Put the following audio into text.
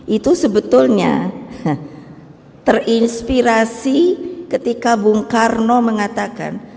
itu sebetulnya terinspirasi ketika bung karno mengatakan